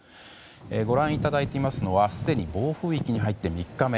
ご覧いただいていますのはすでに暴風域に入って３日目